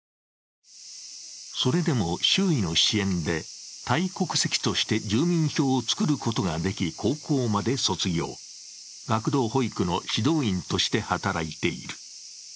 それでも周囲の支援で、タイ国籍として住民票を作ることができ、高校まで卒業、学童保育の指導員として働いている。